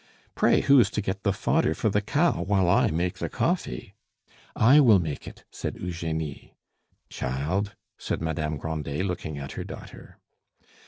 Pray, who is to get the fodder for the cow while I make the coffee?" "I will make it," said Eugenie. "Child!" said Madame Grandet, looking at her daughter.